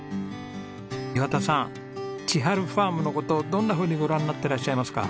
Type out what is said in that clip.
岩田さんちはるふぁーむの事どんなふうにご覧になってらっしゃいますか？